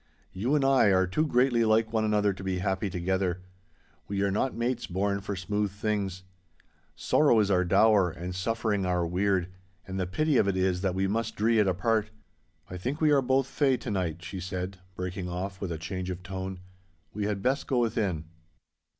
You and I are too greatly like one another to be happy together. We are not mates born for smooth things. Sorrow is our dower and suffering our weird, and the pity of it is that we must dree it apart. I think we are both "fey" to night,' she said, breaking off with a change of tone. 'We had best go within.